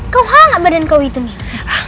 kau hangat badan kau itu mir